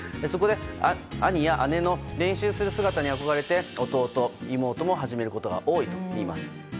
そこで兄や姉の練習する姿に憧れて弟、妹も始めることが多いといいます。